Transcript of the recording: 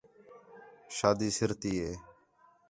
شادی سِر تی ہے